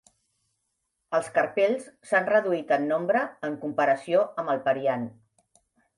Els carpels s'han reduït en nombre en comparació amb el periant.